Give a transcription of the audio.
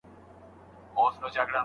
د پانګې دوران د هېواد لپاره مهم دی.